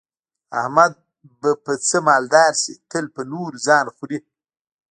احمد به په څه مالدار شي، تل په نورو ځان خوري.